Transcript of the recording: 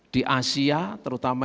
di asia terutama